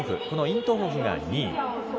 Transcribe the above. このイント・ホフが２位。